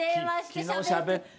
「昨日しゃべって」